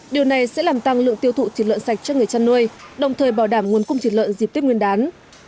điều này sẽ làm tăng lượng tiêu thụ thịt lợn sạch cho người chăn nuôi đồng thời bảo đảm nguồn cung thịt lợn dịp tiếp nguyên đán